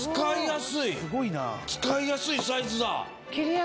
使いやすいサイズだ。